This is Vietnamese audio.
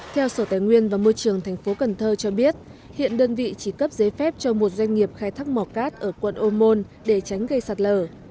theo sở tài nguyên và môi trường tp cn cho biết hiện đơn vị chỉ cấp giấy phép cho một doanh nghiệp khai thác mỏ cát ở quận ô môn để tránh gây sạt lở